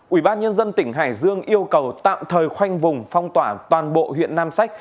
ủy ban nhân dân tỉnh hải dương yêu cầu tạm thời khoanh vùng phong tỏa toàn bộ huyện nam sách